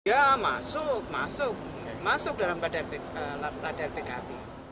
ya masuk masuk dalam latihan pkb